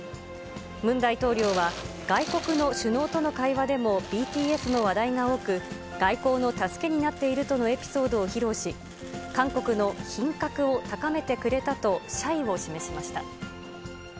ムン大統領は、外国の首脳との会話でもＢＴＳの話題が多く、外交の助けになっているとのエピソードを披露し、韓国の品格を高めてくれたと、謝意を示しました。